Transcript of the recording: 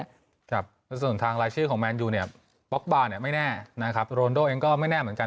แต่ส่วนทางรายชื่อของแมนยูบล็อกบาร์น่าไม่แน่โรลโด้ยังไม่แน่เหมือนกัน